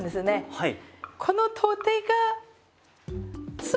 はい。